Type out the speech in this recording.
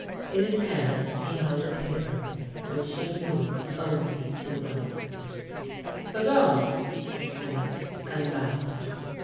In his hands he held a paper which she knew only too well. "Madame!" he said, and bowed.